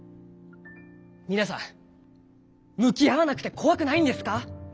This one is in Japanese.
皆さん向き合わなくて怖くないんですか。